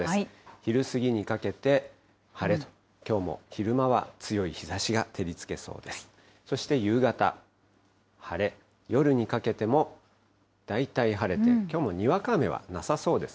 昼過ぎにかけて晴れと、きょうも昼間は強い日ざしが照りつけそうです。